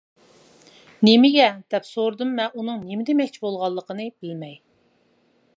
-نېمىگە؟ -دەپ سورىدىم مەن ئۇنىڭ نېمە دېمەكچى بولغانلىقىنى بىلمەي.